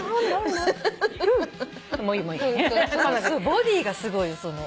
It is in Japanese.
ボディーがすごいその。